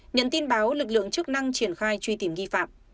nhận tin báo lực lượng chức năng triển khai truy tìm nghi phạm